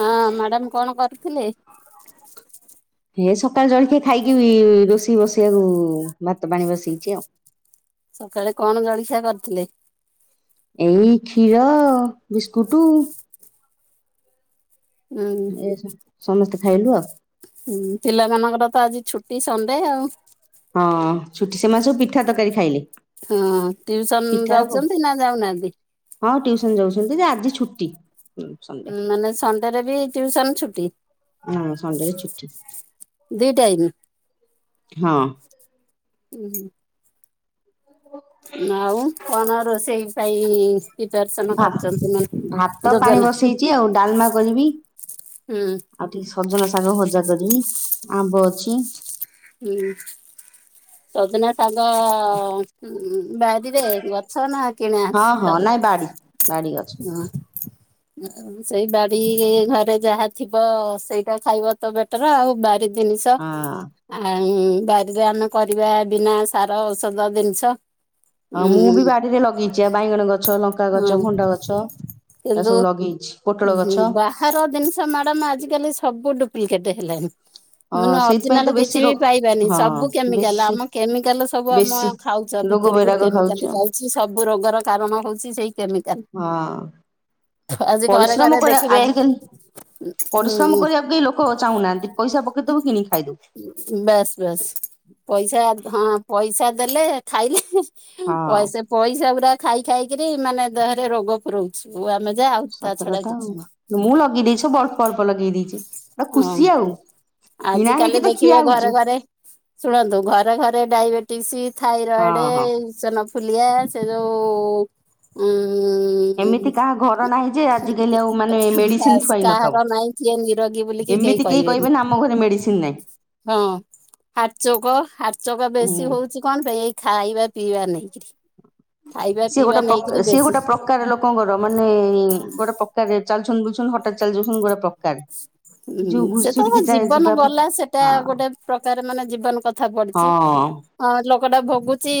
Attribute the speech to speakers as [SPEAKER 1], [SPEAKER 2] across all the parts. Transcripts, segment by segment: [SPEAKER 1] ହଁ ମ୍ୟାଡମ କଣ କରୁଥିଲେ?
[SPEAKER 2] ହିଏ ସକାଳୁ ଜଳଖିଆ ଖାଇକି ଇ-ଇ ରୋଷେଇ ବସେଇବାକୁ ଭାତ ପାଣି ବସେଇଚି ଆଉ।
[SPEAKER 1] ସକାଳେ କଣ ଜଳିଖିଆ କରିଥିଲେ?
[SPEAKER 2] ଏଇ କ୍ଷୀର, ବିସ୍କୁଟୁ।
[SPEAKER 1] ଉଁ
[SPEAKER 2] ସମସ୍ତେ ଖାଇଲୁ ଆଉ।
[SPEAKER 1] ହୁଁ ପିଲାମାନଙ୍କର ତ ଆଜି ଛୁଟି ସଣ୍ଡେ ଆଉ।
[SPEAKER 2] ହଁ ଛୁଟି ସେମାନେ ସବୁ ପିଠା ତକାରୀ ଖାଇଲେ।
[SPEAKER 1] ହଁ ଟ୍ୟୁଉସନ
[SPEAKER 2] ପିଠା ହବ
[SPEAKER 1] ଯାଉଚନ୍ତି ନା ଯାଉନାହାନ୍ତି?
[SPEAKER 2] ହଁ ଟିଉସନ ଯାଉଛନ୍ତି ଯେ ଆଜି ଛୁଟି। ସଣ୍ଡେ
[SPEAKER 1] ମାନେ ସଣ୍ଡେରେ ବି ଟ୍ୟୁସନ ଛୁଟି।
[SPEAKER 2] ହଁ ସଣ୍ଡେରେ ଛୁଟି
[SPEAKER 1] ଦି ଟାଇମ।
[SPEAKER 2] ହଁ।
[SPEAKER 1] ଉଁ ହୁଁ। ଆଉ କଣ ରୋଷେଇ ପାଇ ପିପ୍ୟାର୍ସନ
[SPEAKER 2] ଭା
[SPEAKER 1] କରିଚନ୍ତି ମାନେ
[SPEAKER 2] ଭାତ ପାଣି
[SPEAKER 1] ଯୋଜନା।
[SPEAKER 2] ବସେଇଛି ଆଉ ଡାଲମା କରିବି
[SPEAKER 1] ହୁଁ।
[SPEAKER 2] ଆଉ ଟିକେ ସଜନା ଶାଗ ଭଜା କରିମି, ଆମ୍ବ ଅଛି।
[SPEAKER 1] ହୁଁ। ସଜନା ସାଗ ହୁଁ ଉଁ। ବାରିରେ ଗଛ ନା କିଣା ଆସ୍
[SPEAKER 2] ହଁ ହଁ
[SPEAKER 1] ତାକୁ
[SPEAKER 2] ନାଇଁ ବାଡି ବାଡି ଗଛ
[SPEAKER 1] ଅଁ [unintelligible] ସେଇ ବାଡ଼ିରେ ଘରେ ଯାହା ଥିବ ସେଇଟା ଖାଇବ ତ ବେଟର ଆଉ ବାରି ଜିନିଷ।
[SPEAKER 2] ହଁ।
[SPEAKER 1] ଅମ୍ ବାରିରେ ଆମେ କରିବା ବିନା ସାର ଔଷଧ ଜିନିଷ।
[SPEAKER 2] ଆଉ ମୁଁ ବି
[SPEAKER 1] ଉଁ
[SPEAKER 2] ବାଡିରେ ଲଗେଇଚି ଆ ବାଇଗଣ ଗଛ, ଲଙ୍କା
[SPEAKER 1] ହଁ
[SPEAKER 2] ଗଛ, ଭଣ୍ଡା ଗଛ। ଏ
[SPEAKER 1] କିନ୍ତୁ
[SPEAKER 2] ସବୁ ଲଗେଇଛି ପୋଟଳ
[SPEAKER 1] ଉଁ ହୁଁ
[SPEAKER 2] ଗଛ
[SPEAKER 1] ବାହାର ଜିନିଷ ମ୍ୟାଡମ ଆଜିକାଲି ସବୁ ଡୁପ୍ଲିକେଟେ ହେଲାଣିି।
[SPEAKER 2] ହଁ ସେଇଥିପାଇଁ ତ ବେଶ
[SPEAKER 1] କିଛି ବି ପାଇବାନି ସବୁ କେମିକାଲ ଆମ କେମିକାଲ ସବୁ ଆମ
[SPEAKER 2] ବେଶୀ
[SPEAKER 1] ଖାଉଛ
[SPEAKER 2] ରୋଗ
[SPEAKER 1] ଭିତରକୁ
[SPEAKER 2] ବୈରାଗ ଖାଉଛୁ
[SPEAKER 1] କେମିକାଲ
[SPEAKER 2] ଆଉ
[SPEAKER 1] ଯାଉଛି। ଛି ସବୁ ରୋଗର କାରଣ ହଉଛି ସେଇ କେମିକାଲ।
[SPEAKER 2] ହଁ
[SPEAKER 1] ଥୁ ଆଜି ଘରେ
[SPEAKER 2] ପରିଶ୍ରମ
[SPEAKER 1] ଘରେ
[SPEAKER 2] କରିବା
[SPEAKER 1] ଦେଖିବେ
[SPEAKER 2] ଆଜିକାଲି ପରିଶ୍ରମ
[SPEAKER 1] ହୁଁ
[SPEAKER 2] କରିବାକୁ କେହି ଲୋକ ଚାହୁଁନାହାନ୍ତି ପଇସା ପକେଇଦବୁ କିଣି ଖାଇଦବୁ
[SPEAKER 1] ବେଶ ବେସ ପଇସା ହଁ ପଇସା ଦେଲେ ଖାଇଲେ
[SPEAKER 2] ହଁ
[SPEAKER 1] ପଇସା ପଇସା ପୁରା ଖାଇ ଖାଇକିରି ମାନେ ଦେହରେ ରୋଗ ପୁରୋଉଛୁ ଆମେ। ଯା ଆଉ ତା
[SPEAKER 2] ସତ
[SPEAKER 1] ଛଡା
[SPEAKER 2] କଥା
[SPEAKER 1] କିଛି ନୁହଁ
[SPEAKER 2] ଆଉ ମୁଁ ଲଗେଇ ଦେଇଛି। ସବୁ ଅଳ୍ପ ଅଳ୍ପ ଲଗେଇ ଦେଇଛି। ତ
[SPEAKER 1] ହଁ
[SPEAKER 2] ଖୁସି ଆଉ କିଣା
[SPEAKER 1] ଆଜିିକାଲି
[SPEAKER 2] ହେଇକି ତ ଖିଆ
[SPEAKER 1] ଦେଖିବେ
[SPEAKER 2] ହଉଛି
[SPEAKER 1] ଘରେ ଘରେ ଶୁଣନ୍ତୁ ଘରେ ଘରେ ଡାଇବେଟିସ୍
[SPEAKER 2] ହଁ
[SPEAKER 1] ଥାଇରଏଡ଼
[SPEAKER 2] ହଁ
[SPEAKER 1] ଏସନଫୁଲିଆ ସେ ଯେଉଁ ହୁ
[SPEAKER 2] ଏମିତି କାହା ଘର ନାହିଁ ଯେ ଆଜିକାଲି ଆଉ ମାନେ ମେଡିସିନ
[SPEAKER 1] ବାସ୍
[SPEAKER 2] ଥୁଆଇ ନଥିବ
[SPEAKER 1] କାହାର ନାଇଁ କିଏ ନିରୋଗୀ? ବୁଲିକି କେହି
[SPEAKER 2] ଏମିତି
[SPEAKER 1] କହିବେନି।
[SPEAKER 2] କହିବେ ନା ଆମ ଘରେ ମେଡିସିନ ନାହିଁ
[SPEAKER 1] ହଁ ହାର୍ଟଚୋକ ହାର୍ଟଚୋକ ବେଶୀ
[SPEAKER 2] ହୁଁ
[SPEAKER 1] ହଉଛି କଣ ପେଇଁ? ଏଇ ଖାଇବା ପିଇବା ନେଇକିରି। ଖାଇବା
[SPEAKER 2] ସିଏ
[SPEAKER 1] ପିଇବା
[SPEAKER 2] ଗୋଟେ ପ୍ରକ୍
[SPEAKER 1] ନେଇକିରି
[SPEAKER 2] ସିଏ
[SPEAKER 1] ବେଶୀ
[SPEAKER 2] ଗୋଟେ ପ୍ରକାର ଲୋକଙ୍କର ମାନେ ଗୋଟେ ପକାରେ ଚାଲୁଛନ୍ତି ବୁଲୁଛନ୍ତି ହଠାତ୍ ଚାଲିଯାଉଛନ୍ତି ଗୋଟେ ପକାରେ
[SPEAKER 1] ହୁଁ ସେ ତ ଜୀବନ ଗଲା ସେଟା
[SPEAKER 2] ହଁ
[SPEAKER 1] ଗୋଟେ ପ୍ରକାର ମାନେ ଜୀବନ କଥା
[SPEAKER 2] ହଁ
[SPEAKER 1] ପଡିଚି ହଁ। କଟା ଭୋଗୁଛି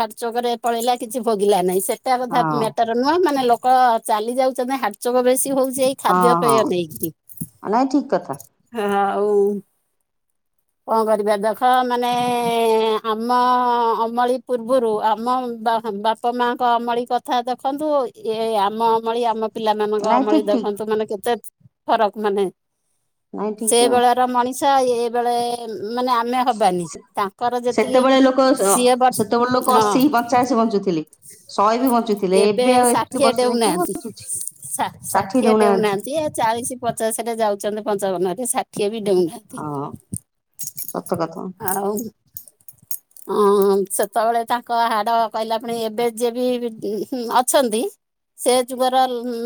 [SPEAKER 1] ହାର୍ଟଚୋକରେ ପଳେଇଲା କିଛି ଭୋଗିଲା ନାହିଁ ସେଟା କଥା
[SPEAKER 2] ହଁ
[SPEAKER 1] ମ୍ୟାଟର ନୁହଁ ମାନେ ଲୋକ ଚାଲି ଯାଉଛନ୍ତି ହାର୍ଟଚୋକ ବେଶୀ ହଉଛି ଏଇ
[SPEAKER 2] ହଁ
[SPEAKER 1] ଖାଦ୍ୟ ପେୟ
[SPEAKER 2] ହଁ
[SPEAKER 1] ନେଇକି।
[SPEAKER 2] ନାଇଁ ଠିକ କଥା।
[SPEAKER 1] ଅଔ କଣ କରିବା ଦେଖ ମାନେ ଆମ ଅମଳି ପୂର୍ବରୁ ଆମ ବାପା ମାଙ୍କ ଅମଳି କଥା ଦେଖନ୍ତୁ ଏ ଆମ ଅମଳି ଆମ ପିଲାମାନାନଙ୍କ
[SPEAKER 2] ନାଇଁ ଠିକ
[SPEAKER 1] ଅମଳି
[SPEAKER 2] ଠିକ
[SPEAKER 1] ଦେଖନ୍ତୁ ମାନେ କେତେ ଫରକ ମାନେ
[SPEAKER 2] ନାଇଁ
[SPEAKER 1] ସେ
[SPEAKER 2] ଠିକ ଆଉ।
[SPEAKER 1] ବେଳର ମଣିଷ ଏ ବେଳେ ମାନେ ଆମେ ହବାନି ତାଙ୍କର ଯେତିକି
[SPEAKER 2] ସେତେବେଳେ ଲୋକ
[SPEAKER 1] ସିଏ ବସ ହଁ
[SPEAKER 2] ଥିଲେ ଶହେ ବି ବଞ୍ଚୁଥିଲେ ଏବେ ଆଉ ଏତେ ବର୍ଷ ଯାଏଁ କିଏ ବଞ୍ଚୁଛି?
[SPEAKER 1] ସା ଷାଠିଏ ଦଉନାହାନ୍ତି ଆଉ ଚାଳିଶ ପଚାଶ ଷାଠିଏ ଯାଉଛନ୍ତି ପଞ୍ଚାବନ ହାତେ ଷାଠିଏ ବି ଡେଉଁନାହାନ୍ତି।
[SPEAKER 2] ହଁ ସତ କଥା
[SPEAKER 1] ହଁ। ହ ସେତେବେଳେ ତାଙ୍କ ହାଡ କହିଲା ପଣି ଏବେ ଯିଏଉ ହୁଁ ବି ଅଛନ୍ତି ସେ ଯୁଗର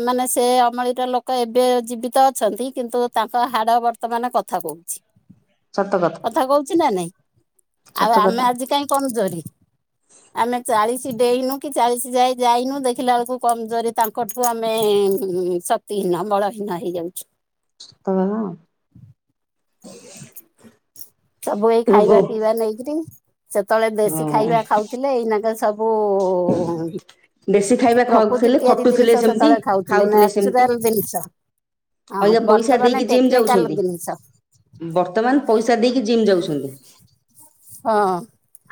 [SPEAKER 1] ମାନେ ସେ ଅମଳିର ଲୋକ ଏବେ ଜୀବିତ ଅଛନ୍ତି କିନ୍ତୁ ତାଙ୍କ ହାଡ ବର୍ତ୍ତମାନ କଥା କହୁଛି କଥା କହୁଛି ନା ନାଇଁ ଆଉ
[SPEAKER 2] ସତ କ
[SPEAKER 1] ଆମେ ଆଜି କାହିଁ କମଜୋରି ଆମେ ଚାଳିଶ କିଛି ଡେଇନୁ କି ଚାଲିସି ଯାଏ ଯାଇନୁ ଦେଖିଲା ବେଳକୁ କମଜୋରି ତାଙ୍କଠୁ ଆମେ ସକ୍ତି ବିନା ବଳ ହିଁନା ହେଇଯାଉଛି।
[SPEAKER 2] [unintelligible]
[SPEAKER 1] ସବୁ ଏଇ
[SPEAKER 2] ରୋଗ
[SPEAKER 1] ଖାଇବା ପିଇବା ନେଇକିରି ସେତେବେଳେ ଦେଶୀ ଖାଇବା ଖାଉଥିଲେ ଏଇନାକ ସବୁ
[SPEAKER 2] ବେଶୀ ଖାଇବା
[SPEAKER 1] ପ୍ରକୃତି
[SPEAKER 2] ଖାଉଥିଲେ
[SPEAKER 1] ତିଆରି ଜିନିଷ
[SPEAKER 2] ଖଟୁଥିଲେ ସେମିତି
[SPEAKER 1] ସେତେବେଳେ
[SPEAKER 2] ଖାଉଥିଲେ ସେମତି
[SPEAKER 1] ନ୍ୟାଚୁରାଲ ଜିନିଷ ହଁ
[SPEAKER 2] ଆଜ୍ଞା ପଇସା
[SPEAKER 1] ବର୍ତ୍ତମାନ
[SPEAKER 2] ଦେଇକି ଜିମ୍
[SPEAKER 1] ଟେକ୍ନିକାଲ
[SPEAKER 2] ଯାଉଛନ୍ତି।
[SPEAKER 1] ଜିନିଷ
[SPEAKER 2] ବର୍ତ୍ତମାନ ପଇସା ଦେଇକି ଜିମ୍ ଯାଉଛନ୍ତି।
[SPEAKER 1] ହଁ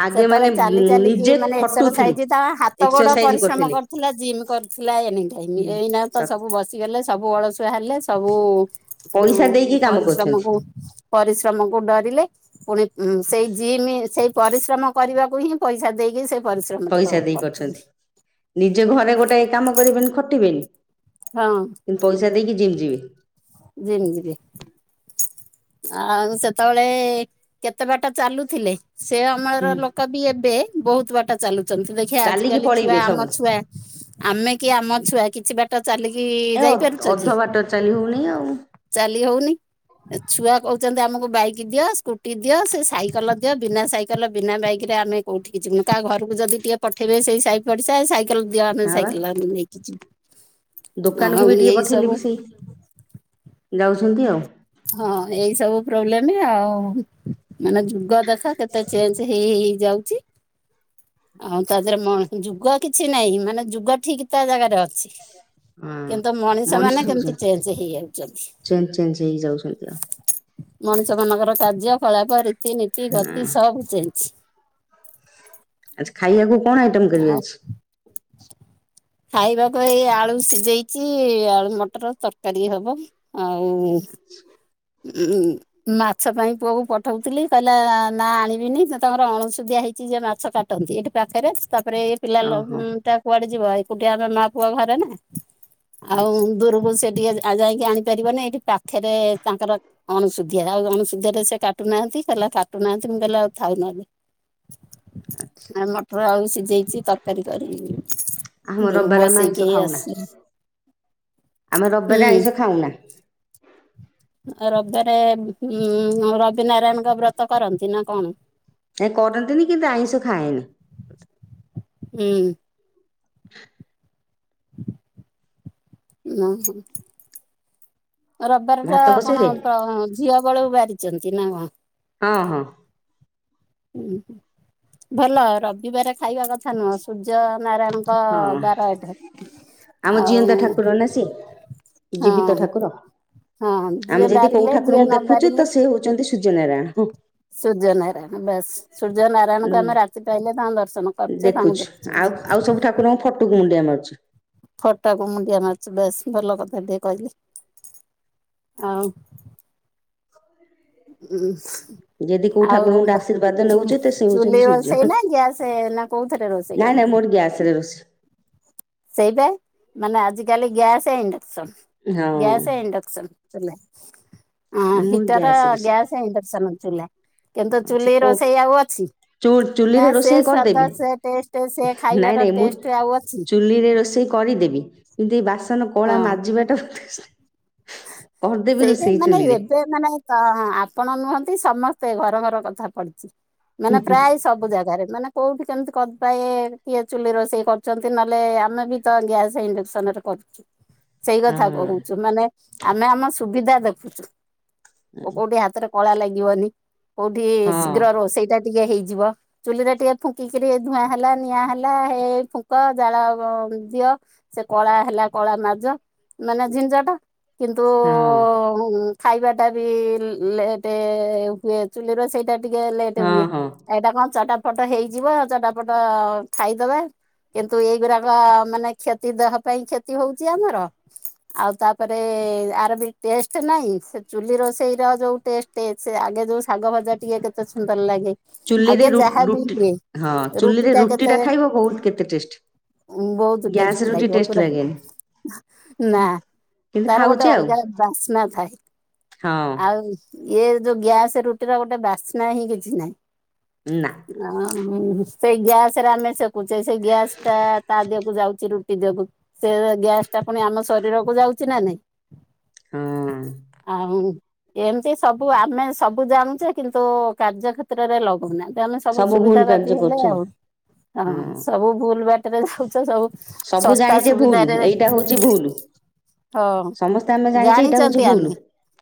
[SPEAKER 2] ଆଗେ
[SPEAKER 1] ସେତେବେଳେ
[SPEAKER 2] ମାନେ
[SPEAKER 1] ଚାଲି ଚାଲିକି
[SPEAKER 2] ନିଜେ
[SPEAKER 1] ମାନେ
[SPEAKER 2] ଖଟୁଥିଲେ
[SPEAKER 1] ଏକ୍ସରସାଇଜ ତା ହାତ ଗୋଡ
[SPEAKER 2] ଏକ୍ସରସାଇଜ
[SPEAKER 1] ପରିଶ୍ରମ
[SPEAKER 2] କରୁଥିଲେ।
[SPEAKER 1] କରୁଥିଲା ଜିମ୍ କରିଥିଲା ଏନି ଟାଇମ୍ ଏଇନା ତ ସବୁ ବସିଗଲେ ସବୁ ଅଳସୁ ବାହାରିଲେ ସବୁ ହୁଁ
[SPEAKER 2] ପଇସା ଦେଇକି କାମ କରୁଛନ୍ତି
[SPEAKER 1] ପରିଶ୍ରମକୁ ପରିଶ୍ରମକୁ ଡରିଲେ ପୁଣି ଉଁ ସେଇ ଜିମ ସେଇ ପରିଶ୍ରମ କରିବାକୁ ହିଁ ପଇସା ଦେଇକି ସେ ପରିଶ୍ରମ ଟିକକ କରୁଚି।
[SPEAKER 2] ନିଜ ଘରେ ଗୋଟାଏ କାମ କରିବନି ଖଟିବେନି କିନ୍ତୁ ପଇଷା ଦେଇକି ଜିମ ଯିବେ।
[SPEAKER 1] ଜିମ ଜିବେ। ଆଉ ସେତେବେଳେ କେତେ ବାଟ ଚାଲୁଥିଲେ। ସେ ଅମଳାର ଲୋକ ବି ଏବେ ବୋହୁତ ବାଟ ଚାଲୁ ଚନ୍ତି ଦେଖିଆ
[SPEAKER 2] ଚାଲିକି
[SPEAKER 1] ଆଜିକାଲି ଛୁଆ
[SPEAKER 2] ପଳେଇବେ ସବୁ
[SPEAKER 1] ଆମଛୁଆ ଆମେ କି ଆମଛୁଆ କିଛି ବାଟ ଚାଲିକି
[SPEAKER 2] ଏ
[SPEAKER 1] ଯାଇପାରୁଚ
[SPEAKER 2] ଅଧ
[SPEAKER 1] କି?
[SPEAKER 2] ବାଟ ଚାଲି ହଉନି ଆଉ
[SPEAKER 1] ଚାଲି ହୋଉନି ଛୁଆ କହୁଚନ୍ତି ଆମକୁ ବାଇକ ଦିଅ ସ୍କୁଟି ଦିଅ ସେ ସାଇକେଲ ଦିଅ ବିନା ସାଇକେଲ ବିନା ବାଇକ ରେ ଆମେ କୋଉଠିକି ଯିବୁନୁ କାହା ଘରକୁ ଯଦି ଟିକେ ପଠେଇବେ ସେଇ ସାଇ ପଡିସା ସାଇକେଲ ଦିଅ ଆମେ ସାଇକେଲ ନେଇକି ଯିବୁ।
[SPEAKER 2] ଦୋକାନକୁୁ
[SPEAKER 1] ଆଉ
[SPEAKER 2] ବି ଟିକେ
[SPEAKER 1] ଏଇ
[SPEAKER 2] ପଠେଇଲେ
[SPEAKER 1] ସବୁ
[SPEAKER 2] ବି ସେଇ ଯାଉଚନ୍ତି ଆଉ।
[SPEAKER 1] ହଁ ଏଇ ସବୁ ପ୍ରୋବ୍ଲେମ ଆଉ ମାନେ ଯୁଗ ଦେଖ କେତେ ଚେଞ୍ଜେ ହେଇହେଇ ଯାଉଚି। ଆଉ ତା ଦେହରେ ମ ଯୁଗ କିଛି ନାଇଁ ମାନେ ଯୁଗ ଠିକ୍ ତା ଜାଗାରେ ଅଛି।
[SPEAKER 2] ହଁ
[SPEAKER 1] କିନ୍ତୁ
[SPEAKER 2] ମଣିଷ
[SPEAKER 1] ମଣିଷମାନେ
[SPEAKER 2] ସବୁ
[SPEAKER 1] କେମିତି
[SPEAKER 2] ଚେଞ୍ଜ
[SPEAKER 1] ଚେଞ୍ଜେ ହେଇ ଯାଉଚନ୍ତି।
[SPEAKER 2] ଚେଞ୍ଜ ଚେଞ୍ଜ ହେଇଯାଉଚନ୍ତି ଆ
[SPEAKER 1] ମଣିଷମାନଙ୍କର କାର୍ଯ୍ୟକଳାପ ରୀତିନୀତି
[SPEAKER 2] ହଁ
[SPEAKER 1] ଗତି ସବୁ ଚେଞ୍ଜ।
[SPEAKER 2] ଆଚ୍ଛା ଖାଇବାକୁ କଣ ଆଇଟମ କରିବେ
[SPEAKER 1] ଆଉ
[SPEAKER 2] ଆଜି?
[SPEAKER 1] ଖାଇବାକୁ ଏଇ ଆଳୁ ସିଝେଇଚି ଆଳୁମଟର ତରକାରୀ ହବ। ଆଉ ଉଁ ମାଛ ପାଇଁ ପୁଅକୁ ପଠୋଉଥିଲି କହିଲା ନା ଆଣିବିନି ତା ତାଙ୍କର ଅଣୁଷୁଧିଆ ହେଇଚି ଯେ ମାଛ କାଟନ୍ତି ଏଇଠି ପାଖରେ ତାପରେ ଏଇ ପିଲା
[SPEAKER 2] ଓହୋ
[SPEAKER 1] ଲୋକଟା କୁଆଡେ ଯିବ ଏକୁଟିଆ ଆମେ ମା ପୁଅ ଘରେ ନା। ଆଉ
[SPEAKER 2] ଆଚ୍ଛା
[SPEAKER 1] ଦୂରକୁ ସେ ଟିକେ ଆ ଯାଇକି ଆଣିପାରିବନି ଏଇଠି ପାଖରେ ତାଙ୍କର ଅଣଶୁଧିଆ ଆଉ ଅଣଶୁଧିଆ ରେ ସେ କାଟୁନାହାନ୍ତି କହିଲା କାଟୁନାହାନ୍ତି ମୁଁ କହିଲି ଆଉ ଥାଉନହେଲେ।
[SPEAKER 2] ହୁଁ [inaudible]
[SPEAKER 1] ଆ ମଟର ଆଳୁ ସିଝେଇଚି ତରକାରୀ କରିବି।
[SPEAKER 2] ଆମ
[SPEAKER 1] ଯୋଉ
[SPEAKER 2] ରବିବାର ଆମେ ଆଇଁଷ
[SPEAKER 1] ବସେଇକି ଏଇ
[SPEAKER 2] ଖାଉନା
[SPEAKER 1] ଆସିଲି।
[SPEAKER 2] ଆମେ ରବିବାରେ
[SPEAKER 1] ହୁଁ।
[SPEAKER 2] ଆଇଁଷ ଖାଉନା।
[SPEAKER 1] ରବିବାରେ ଉଁ ରବିନାରାୟଣଙ୍କ ବ୍ରତ କରନ୍ତି ନା କଣ?
[SPEAKER 2] ଏ କରନ୍ତିନି କିନ୍ତୁ ଆଇଁଷ ଖାଏନି।
[SPEAKER 1] ହୁଁ।
[SPEAKER 2] ହ [inaudible]
[SPEAKER 1] ନାଁ ହଁ। ରବିବାର ଟା
[SPEAKER 2] ଭାତ
[SPEAKER 1] କଣ
[SPEAKER 2] ବସେଇଲେ
[SPEAKER 1] ତ ଝିଅ ବେଳୁ ବାରିଚନ୍ତି ନା କଣ?
[SPEAKER 2] ହଁ ହଁ।
[SPEAKER 1] ଉଁ ହୁଁ ଭଲ ରବିବାରରେ ଖାଇବା କଥା ନୁହଁ ସୂର୍ଯ୍ୟ ନାରାୟଣଙ୍କ
[SPEAKER 2] ହଁ
[SPEAKER 1] ବାର ଏଟା।
[SPEAKER 2] ଆମ
[SPEAKER 1] ଆଉ
[SPEAKER 2] ଜିଅନ୍ତା ଠାକୁର ନା ସିଏ
[SPEAKER 1] ହଁ
[SPEAKER 2] ଜୀବିତ ଠାକୁର।
[SPEAKER 1] ହଁ ଯିଏ
[SPEAKER 2] ଆମେ ଯଦି କୋଉ
[SPEAKER 1] ବାରିଲେ ଯିଏ
[SPEAKER 2] ଠାକୁରଙ୍କୁ
[SPEAKER 1] ନ
[SPEAKER 2] ଦେଖୁଚୁ ତ ସେ ହୋଉଚନ୍ତି ସୂର୍ଯ୍ୟନାରାୟଣ ହଁ।
[SPEAKER 1] ସୂର୍ଯ୍ୟନାରାୟଣ ବାସ୍ ସୂର୍ୟନାରାୟଣଙ୍କୁ ଆମେ ରାତି ପାଇଲେ ତାଙ୍କୁ ଦର୍ଶନ କରୁଚେ ତାଙ୍କୁ
[SPEAKER 2] ଦେଖୁଛୁ
[SPEAKER 1] ଦେଖୁଚନ୍ତି।
[SPEAKER 2] ପ୍ୟାନ ଅଛି।
[SPEAKER 1] ଫଟକୁ ମୁଣ୍ଡିଆ ମାରୁଚୁ ବେଶ ଭଲ କଥା। ବୋଧେ କହିଥିଲେ ଆଉ ଉଁ ଉଁ ହୁଁ।
[SPEAKER 2] ଯଦି କୋଉ
[SPEAKER 1] ଆଉ
[SPEAKER 2] ଠାକୁରଙ୍କଠୁ
[SPEAKER 1] ବାଃ
[SPEAKER 2] ଆଶୀର୍ବାଦ ନେଉଛୁ
[SPEAKER 1] ଚୁଲିଃ
[SPEAKER 2] ତ ସେ
[SPEAKER 1] ଚୁଲି
[SPEAKER 2] ହଉଛନ୍ତି ସୂର୍ଯ୍ୟ।
[SPEAKER 1] ରୋଷେଇ ନା ଗ୍ୟାସ ନା କୋଉଥିରେ ରୋଷେଇ କର
[SPEAKER 2] ନାଇଁ ନାଇଁ ମୋର ଗ୍ୟାସରେ ରୋଷେଇ।
[SPEAKER 1] ସେଇପା ମାନେ ଆଜିକାଲି ଗ୍ୟାସ ଇଣ୍ଡକ୍ସନ
[SPEAKER 2] ହଁ
[SPEAKER 1] ଗ୍ୟାସ ଇଣ୍ଡକ୍ସନ। ଚୁଲା ଆ,
[SPEAKER 2] ମୁଁ
[SPEAKER 1] ହିଟର,
[SPEAKER 2] ଗ୍ୟାସରେ ରୋଷେଇ
[SPEAKER 1] ଗ୍ୟାସ୍, ଇଣ୍ଡକ୍ସନ ଚୁଲା। କିନ୍ତୁ
[SPEAKER 2] ହଁ, ସେ
[SPEAKER 1] ଚୁଲି
[SPEAKER 2] କୋ
[SPEAKER 1] ରୋଷେଇ ଆଉ ଅଛି
[SPEAKER 2] ଚୁ-
[SPEAKER 1] ନା
[SPEAKER 2] ଚୁଲିରେ
[SPEAKER 1] ସେ
[SPEAKER 2] ରୋଷେଇ
[SPEAKER 1] ସ୍ଵାଦ
[SPEAKER 2] କରିଦେବି
[SPEAKER 1] ସେ ଟେଷ୍ଟ, ସେ
[SPEAKER 2] ନାଇଁ
[SPEAKER 1] ଖାଇବାର
[SPEAKER 2] ନାଇଁ ମୁଁ
[SPEAKER 1] ଟେଷ୍ଟ, ଆଉ ଅଛି।
[SPEAKER 2] ଚୁଲିରେ ରୋଷେଇ କରିଦେବି କିନ୍ତୁ ଏ ବାସନ କଳା ମାଜିବାଟା କରିଦେବି
[SPEAKER 1] ସେ
[SPEAKER 2] ରୋଷେଇ
[SPEAKER 1] ମାନେ
[SPEAKER 2] ଚୁଲିରେ
[SPEAKER 1] ଏବେ ମାନେ ଆପଣ ନୁହନ୍ତ ସମସ୍ତେ ଘର ଘର କଥା ପଡିଚି, ମାନେ ପ୍ରାୟ ସବୁ ଜାଗାରେ ମାନେ କୋଉଠି କେମିତି କଦବାଏ କିଏ ଚୁଲି ରୋଷେଇ କରୁଛନ୍ତି ନହେଲେ ଆମେ ବି ତ ଗ୍ୟାସ ଇଣ୍ଡକ୍ସନ ରେ କରଛ। [inaudible] ସେଇ
[SPEAKER 2] ହଁ
[SPEAKER 1] କଥା କହୁଛୁ, ମାନେ ଆମେ ଆମ ସୁବିଧା ଦେଖୁଛୁ ଓ କୋଉଠି ହାତରେ କଳା ଲାଗିବନି, କୋଉଠି
[SPEAKER 2] ହଁ
[SPEAKER 1] ଶୀଘ୍ର
[SPEAKER 2] ହଁ
[SPEAKER 1] ରୋଷେଇଟା ଟିକେ ହେଇଯିବ, ଚୁଲିରେ ଟିକେ ଫୁଙ୍କିକରି ଧୂଆଁ ହେଲା ନିଆଁ ହେଲା, ହେଇ ଫୁଙ୍କ ଜାଳ ଦିଅ ସେ କଳା ହେଲା କଳା ମାଜ ମାନେ, ଝି୍ଝଟ। କିନ୍ତୁ ଖାଇବା ଟା ବି ଲଟେ ହୁଏ ଚୁଲିର ସେଇଠ ସେଟ ଟିକେ ଲେଟ
[SPEAKER 2] ହଁ
[SPEAKER 1] ହୁଏ,
[SPEAKER 2] ହଁ
[SPEAKER 1] ଏଇଟା କଣ ଚଟାପଟ ହେଇଯିବଉ ଚଟାପଟ ଖାଇଦବେ। କିନ୍ତୁ ଏଇଗୁଡାକ ମାନେ କ୍ଷତି ଦେହ ପାଇଁ କ୍ଷତି ହଉଛି ଆମର, ଆଉ ତାପରେ ଏ ଆର ବି ଟେଷ୍ଟ ନାହିଁ, ସେ ଚୁଲି ରୋଷେଇର ଯଉ ଟେଷ୍ଟ ସେ ଆଗେ ଯୋଉ ଶାଗ ଭାଜା ଟିକେ କେତେ ସୁନ୍ଦର ଲାଗେ,
[SPEAKER 2] ଚୁଲିରେ
[SPEAKER 1] ଆଗେ
[SPEAKER 2] ରୁ-
[SPEAKER 1] ଯାହା ବି
[SPEAKER 2] ରୁଟି
[SPEAKER 1] ହୁଏ,
[SPEAKER 2] ହଁ
[SPEAKER 1] ରୁଟି
[SPEAKER 2] ଚୁଲିରେ
[SPEAKER 1] ଟା
[SPEAKER 2] ରୁଟି
[SPEAKER 1] କେତେ
[SPEAKER 2] ଟା ଖାଇବ ବହୁତ କେତେ ଟେଷ୍ଟ।
[SPEAKER 1] ବହୁତ
[SPEAKER 2] ଗ୍ୟାସ
[SPEAKER 1] ଟେଷ୍ଟ
[SPEAKER 2] ରୁଟି
[SPEAKER 1] ଲାଗିବ ପୁରୁର
[SPEAKER 2] ଲାଗେନି
[SPEAKER 1] ନା
[SPEAKER 2] କିନ୍ତୁ
[SPEAKER 1] ତାର
[SPEAKER 2] ଖାଉଛି
[SPEAKER 1] ଗୋଟେ
[SPEAKER 2] ଆଉ
[SPEAKER 1] ଅଲଗା ବାସ୍ନା ଥାଏ,
[SPEAKER 2] ହଁ
[SPEAKER 1] ଆଉ ଇଏ ଯୋଉ ଗ୍ୟାସ୍ ରୁଟିର ଗୋଟେ ବାସ୍ନା ହିଁ କିଛି ନାହିଁ।
[SPEAKER 2] ନା
[SPEAKER 1] ହ ସେଇ ଗ୍ୟାସ ରେ ଆମେ ସେଖୁଛେ, ସେ ଗ୍ୟାସ ଟା ତା ଦେହକୁ ଯାଉଛି, ରୁ କୁ ସେ ଗ୍ୟାସ ଟା ପୁଣି ଆମ ଶରୀରକୁ ଯାଉଛି ନା ନାଇଁ।
[SPEAKER 2] ହଁ
[SPEAKER 1] ଆଉ ଏମିତି ସବୁ ଆମେ ସବୁ ଜାଣଛେ କିନ୍ତୁ କାର୍ଯ୍ୟ କେତ୍ରରେ ଲଗୁନାହାନ୍ତି। ଆମେ ସବୁ
[SPEAKER 2] ଭୁଲ
[SPEAKER 1] ସୁବିଧାବାଜିି
[SPEAKER 2] କାର୍ଯ୍ୟ
[SPEAKER 1] ହେଲେ
[SPEAKER 2] କରୁଛି
[SPEAKER 1] ଆଉ। ହଁ ସବୁ ଭୁଲ ବାଟରେ ଯାଉଛ, ସବୁ
[SPEAKER 2] ସବୁ
[SPEAKER 1] ଶସ୍ତା
[SPEAKER 2] ଜାଣିଛେ ଭୁଲ
[SPEAKER 1] ସୁବିଧାରେ
[SPEAKER 2] ଏଇଟା ହଉଛି ଭୁଲ
[SPEAKER 1] ହଁ
[SPEAKER 2] ସମସ୍ତେ ଆମେ ଜାଣିଛେ ଏଇଟା ହଉଛି
[SPEAKER 1] ଜାଣିଛନ୍ତି
[SPEAKER 2] ଭୁଲ।
[SPEAKER 1] ଆମେ,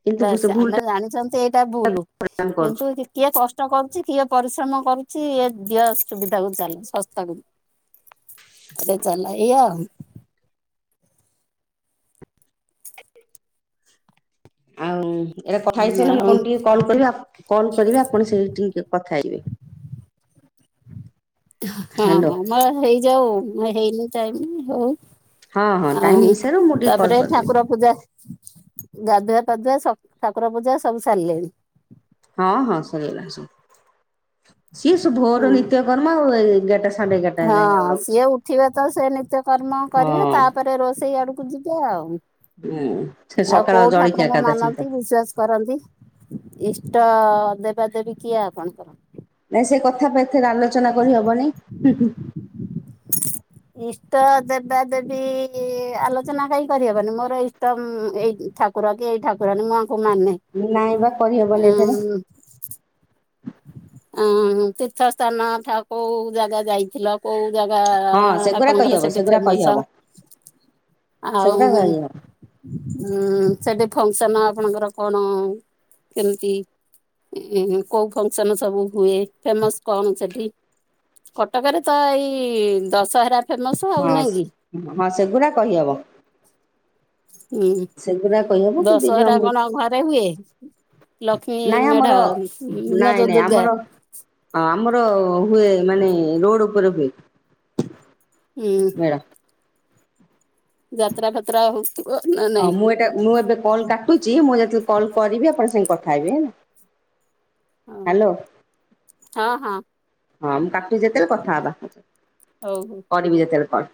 [SPEAKER 2] କିନ୍ତୁ
[SPEAKER 1] ବାସ
[SPEAKER 2] ସେ ଭୁଲ
[SPEAKER 1] -ଆମେ
[SPEAKER 2] ଟା
[SPEAKER 1] ଜାଣି ଏଇଟା ଭୁଲ
[SPEAKER 2] ଆମେ କରୁଛୁ।
[SPEAKER 1] କିନ୍ତୁ କିଏ? କଷ୍ଟ କରୁଛି କିଏ ପରିଶ୍ରମ କରୁଛି ଇ ଦିଅ ସୁବିଧାକୁ ଚାଲ, ଶସ୍ତାକୁ ଆରେ ଚାଲ ଆୟୟା
[SPEAKER 2] ଆଉ। ଏଇଟା କଥା ହେଇସାରିଲେ ମୁ
[SPEAKER 1] ଆଉ
[SPEAKER 2] ଆଣ ଟିକେ କଲ୍ କରିବି, କଲ କରିବି ଆପଣ ସେଇ ଟ କଥା ହେଇବେ।
[SPEAKER 1] ହଁ
[SPEAKER 2] ହ୍ୟାଲୋ
[SPEAKER 1] ଆମର ହେଇଯାଉ, ମୁ ହେଇନାଇ ହଉ
[SPEAKER 2] ହଁ ହଁ ଟାଇମ
[SPEAKER 1] ଆଉ
[SPEAKER 2] ହେଇସାରୁ ମୁଁ ଟିକେ କଲ୍
[SPEAKER 1] ତାପରେ
[SPEAKER 2] କରିଦେବି
[SPEAKER 1] ଠାକୁର ପୂଜା ଗାଧୁଆ ପାଧୁଆ ଠାକୁର ପୂଜା ସବୁ ସାରିଲେଣି।
[SPEAKER 2] ହଁ ହଁ ସରିଗଲାଣି ସବୁ, ସିଏ ସବୁ
[SPEAKER 1] ହଁ
[SPEAKER 2] ଭୋର ନିତ୍ୟ କରର୍ମ ଆଉ ଏଗାରଟା ସାଢେ ଏଗାରଟା
[SPEAKER 1] ହଁ
[SPEAKER 2] ଯାଏ ଆଉ ରହୁଛି।
[SPEAKER 1] ସିଏ ଉଠିବ ତ ସେ ନିଜ କର୍ମ କରିବେ
[SPEAKER 2] ହଁ
[SPEAKER 1] ତାପରେ ରୋଷେଇ ଆଡକୁ ଯିବେ ଆଉ।
[SPEAKER 2] ହୁଁ ସେ
[SPEAKER 1] ଆଉ
[SPEAKER 2] ସକାଳ
[SPEAKER 1] କୋଉ
[SPEAKER 2] ଜଳଖିଆ
[SPEAKER 1] ଠାକୁରଙ୍କୁ
[SPEAKER 2] କଥା ଚିନ୍ତା।
[SPEAKER 1] ମାନନ୍ତି, ବିଶ୍ଵାସ କରନ୍ତି। ଇଷ୍ଟ ଦେବା ଦେବି କିଏ ଅପଣଙ୍କର?
[SPEAKER 2] ନ ସେ କଥା ପାଇଁ ଏଥିରେ ଆଲୋଚନା କରିହବନି।
[SPEAKER 1] ଇଷ୍ଟ ଦେବା ଦେବୀ ଆଲୋଚନା କାହିଁ କରିହବନି, ମୋର ଇଷ୍ଟ ଏଇ ଠାକୁର କି ଏଇ ଠାକୁରାଣି ମୁ ଆଙ୍କୁ ମାନନେ
[SPEAKER 2] ନାଇଁ ବା କହିହବନି ଏଥିରେ
[SPEAKER 1] ଉ ଅ ତୀର୍ଥ ସ୍ଥାନ ଠା କୋଉ ଜାଗା ଯାଇଥିଲ କୋଉ ଜାଗା
[SPEAKER 2] ହଁ ସେଗୁରା
[SPEAKER 1] ଆପଣଙ୍କର
[SPEAKER 2] କହିହବ
[SPEAKER 1] ସେଠି
[SPEAKER 2] ସେଗୁରା
[SPEAKER 1] ଫେମସ?
[SPEAKER 2] କହିହବ।
[SPEAKER 1] ଆଉ,
[SPEAKER 2] ସେଗୁଡା ରହିବ।
[SPEAKER 1] ହୁଁ ସେଠି ଫଙ୍କସନ ଆପଣଙ୍କର କଣ କେମିତି, କୋଉ ଫଙ୍କସନ ସବୁ ହୁଏ, ଫେମସ କଣ ସେଠି? କଟକରେ ତ ଏଇ ଦଶହରା ଫେମସ ଆଉ
[SPEAKER 2] ହଁ
[SPEAKER 1] ନାଇଁ କି?
[SPEAKER 2] ହଁ ସେଗୁଡ଼ା କହିହେବ।
[SPEAKER 1] ହୁଁ
[SPEAKER 2] ସେଗୁଡ଼ା
[SPEAKER 1] ଦଶହରା କଣ ଘରେ ହୁଏ? ଲକ୍ଷ୍ମୀ
[SPEAKER 2] ନାଇଁ
[SPEAKER 1] ମେଢ
[SPEAKER 2] ଆମର
[SPEAKER 1] ନା
[SPEAKER 2] ନାଇଁ
[SPEAKER 1] ଯୋଉ
[SPEAKER 2] ନାଇଁ
[SPEAKER 1] ଦୁର୍ଗା
[SPEAKER 2] ଆମର ଆମର ହୁ ମାନେ ରୋଡ ଉପରେ ହୁଏ।
[SPEAKER 1] ହୁଁ।
[SPEAKER 2] ମେଢ।
[SPEAKER 1] ଯାତ୍ରା ଫାତ୍ରା ହଉଥିବ ନା ନାଇଁ
[SPEAKER 2] ହଁ ମୁଁ ଏଟା ମୁଁ ଏବେ କଲ୍ କାଟୁଛି, ମୁଁ ଯେତେବେଳେ କଲ୍ କରିବି ଆପଣ ସାଙ୍ଗେ କଥା ହେବି ହେ
[SPEAKER 1] ହଁ ହଁ ହଁ।
[SPEAKER 2] ହଁ ମୁଁ କାଟିବି ଯେତେବେଳେ କଥା ହେବା,
[SPEAKER 1] ହଉ ହଉ।
[SPEAKER 2] କରିବି ଯେତେବେଳେ କଲ।